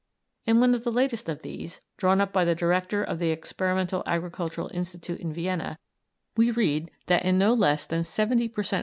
In one of the latest of these, drawn up by the Director of the Experimental Agricultural Institute in Vienna, we read that in no less than seventy per cent.